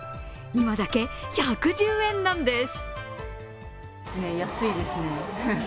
今だけ１１０円なんです。